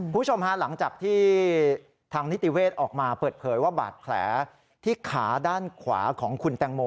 คุณผู้ชมฮะหลังจากที่ทางนิติเวศออกมาเปิดเผยว่าบาดแผลที่ขาด้านขวาของคุณแตงโม